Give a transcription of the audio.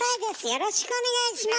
よろしくお願いします。